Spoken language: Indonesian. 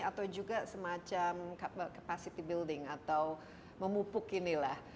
atau juga semacam capacity building atau memupuk inilah